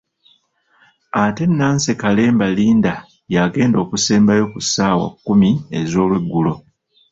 Ate Nancy Kalemba Linda y'agenda okusembayo ku ssaawa kumi ez'olweggulo.